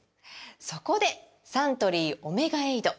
そこでサントリー「オメガエイド」！